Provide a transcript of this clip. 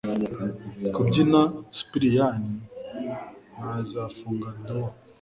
kubyina supiriyani naza funga dowa